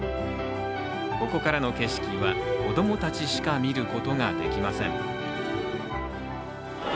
ここからの景色は、子供たちしか見ることができません。